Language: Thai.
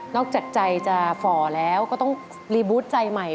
จากใจจะฝ่อแล้วก็ต้องรีบูธใจใหม่